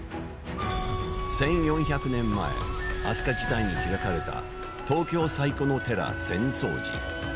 １４００年前飛鳥時代に開かれた東京最古の寺、浅草寺。